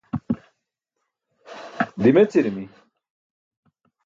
dimecirimi